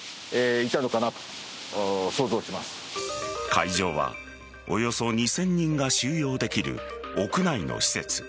会場はおよそ２０００人が収容できる屋内の施設。